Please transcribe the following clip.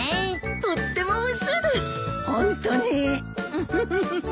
ウフフフ。